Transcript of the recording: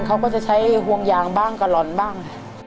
เขาก็จะใช้ห่วงยางบ้างกระหล่อนบ้าง